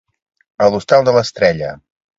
A l'hostal de l'estrella.